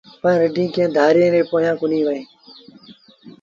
پر رڍينٚ ڪݩهݩ ڌآريٚݩ ري پويآنٚ ڪونهي هلينٚ